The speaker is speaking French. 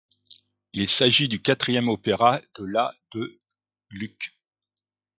Il s'agit du quatrième opéra de la de Gluck.